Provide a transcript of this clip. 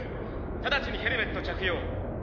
直ちにヘルメット着用。